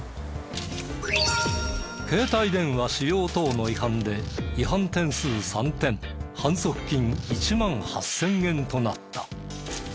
携帯電話使用等の違反で違反点数３点反則金１万８０００円となった。